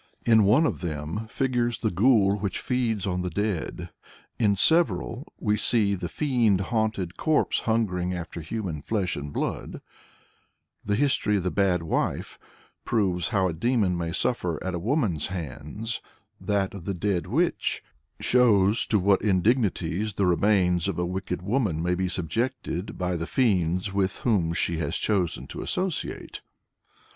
In one of them (No. 1) figures the ghoul which feeds on the dead, in several (Nos. 37, 38, 45 48) we see the fiend haunted corpse hungering after human flesh and blood; the history of The Bad Wife (No. 7) proves how a demon may suffer at a woman's hands, that of The Dead Witch (No. 3) shows to what indignities the remains of a wicked woman may be subjected by the fiends with whom she has chosen to associate.